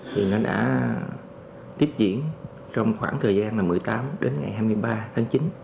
thì nó đã tiếp diễn trong khoảng thời gian là một mươi tám đến ngày hai mươi ba tháng chín